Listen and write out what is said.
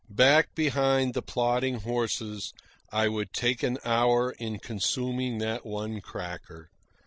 Back behind the plodding horses, I would take an hour in consuming that one cracker.